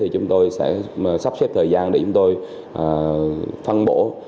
chúng tôi sẽ sắp xếp thời gian để chúng tôi phân bổ